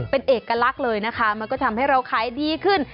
เป็นเอกลักษณ์เลยนะคะมันก็ทำให้เราขายดีขึ้น